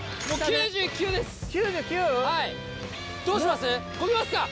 ９９？どうします？